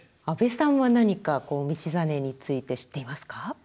安部さんは何か道真について知っていますか？